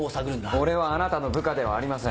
俺はあなたの部下ではありません。